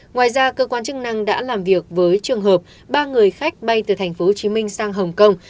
ngoài ra cơ quan chức năng đã làm việc với trường hợp ba người khách bay từ tp hcm sang hồng kông